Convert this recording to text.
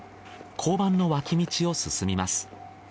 交番の脇道を進みます。